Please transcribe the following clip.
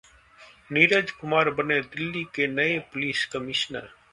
नीरज कुमार बने दिल्ली के नए पुलिस कमिश्नर